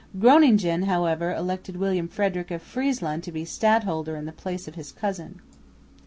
Groningen, however, elected William Frederick of Friesland to be stadholder in the place of his cousin.